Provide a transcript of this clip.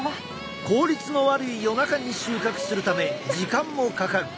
効率の悪い夜中に収穫するため時間もかかる。